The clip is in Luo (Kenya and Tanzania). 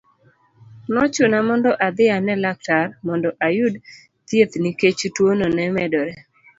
Nochuna mondo adhi ane laktar, mondo ayud thieth nikech tuono ne medore.